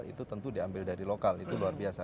itu tentu diambil dari lokal itu luar biasa